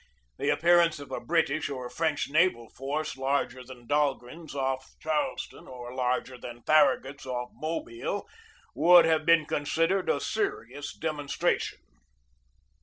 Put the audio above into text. The appearance of a British or a French naval force larger than Dahlgren's off Charleston, or larger than Farragut's off Mobile, would have been considered a serious demonstration.